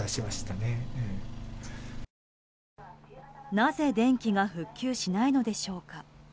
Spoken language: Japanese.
なぜ電気が復旧しないのでしょうか。